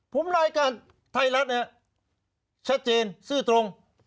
ผมรายการไทยรัฐนะครับชัดเจนซื่อตรง